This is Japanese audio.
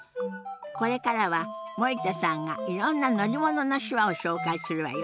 これからは森田さんがいろんな乗り物の手話を紹介するわよ。